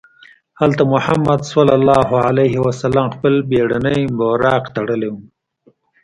هلته محمد صلی الله علیه وسلم خپله بېړنۍ براق تړلې وه.